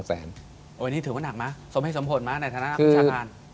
อันนี้ถือว่าหนักไหมสมให้สมผลไหมในธนาคมิชาการ